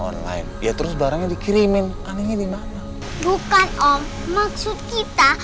online ya terus barangnya dikirimin anehnya di mana bukan om maksud kita